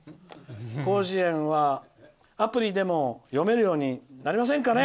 広辞苑はアプリでも読めるようになりませんかね。